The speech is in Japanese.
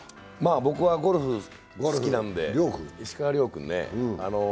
僕はゴルフ好きなんで、石川遼君ね。